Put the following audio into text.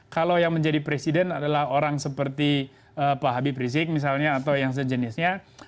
kalau yang menjadi presiden adalah orang seperti pak habib rizik misalnya atau yang sejenisnya